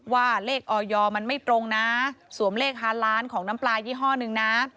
ว่าเลขออยมันไม่ตรงนะสวมเลข๕ล้านของน้ำปลายี่ห้อนึงนะ